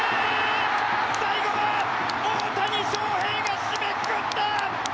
最後は大谷翔平が締めくくった！